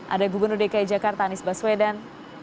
ada gubernur dki jakarta anies baswedan